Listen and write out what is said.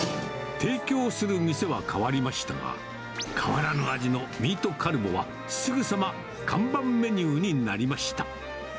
提供する店は変わりましたが、変わらぬ味のミートカルボは、すぐさま看板メニューになりました。